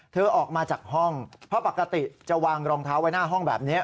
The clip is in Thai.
ออกมาจากห้องเพราะปกติจะวางรองเท้าไว้หน้าห้องแบบนี้